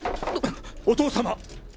お父様。